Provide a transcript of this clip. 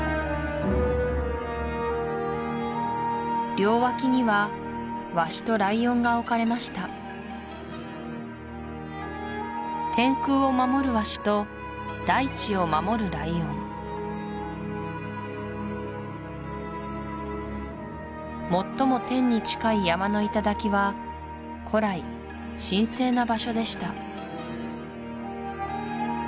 両脇にはワシとライオンが置かれました天空を守るワシと大地を守るライオン最も天に近い山の頂は古来神聖な場所でした